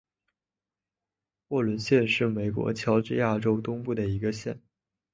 沃伦县是美国乔治亚州东部的一个县。